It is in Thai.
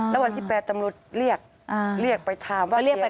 แล้ววันที่แปลว่าตำรวจเรียกเรียกไปถามว่าเคลียร์กันได้